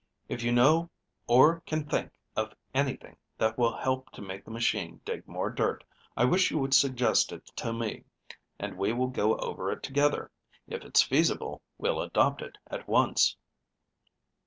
If you know or can think of anything that will help to make the machine dig more dirt, I wish you would suggest it to me, and we will go over it together. If it's feasible, we'll adopt it at once."